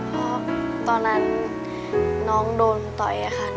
พ่อตอนนั้นน้องโดนต่อยกับขัน